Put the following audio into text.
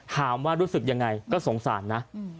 ถามว่ารู้สึกยังไงก็สงสารนะ